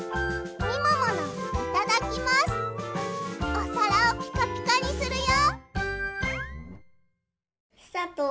おさらをピカピカにするよ。